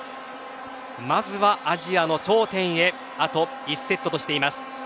まずはアジアの頂点へあと１セットとしています。